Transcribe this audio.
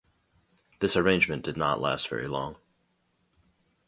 This arrangement did not last very long.